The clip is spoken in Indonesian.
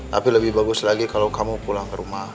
tapi lebih bagus lagi kalau kamu pulang ke rumah